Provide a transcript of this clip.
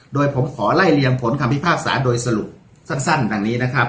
โดยผมขอไล่เรียงผลคำพิพากษาโดยสรุปสั้นดังนี้นะครับ